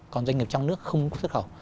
còn doanh nghiệp trong nước không xuất khẩu